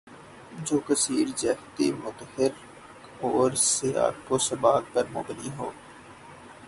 جو کثیر جہتی، متحرک اور سیاق و سباق پر مبنی ہو